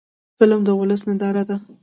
فلم د ولس هنداره ده